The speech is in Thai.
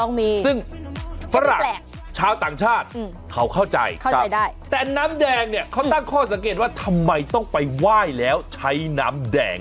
เข้าใจเข้าใจได้แต่น้ำแดงเนี่ยเขาตั้งข้อสังเกตว่าทำไมต้องไปไหว้แล้วใช้น้ำแดง